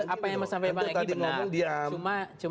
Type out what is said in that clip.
apa yang mau saya bilang tadi benar